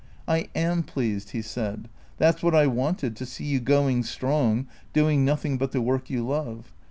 " I am pleased," he said. " That 's what I wanted, to see you going strong, doing nothing but the work you love.